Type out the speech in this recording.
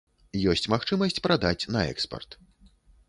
Ёсць магчымасць прадаць на экспарт.